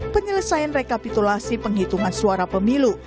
penyelesaian rekapitulasi penghitungan suara pemilu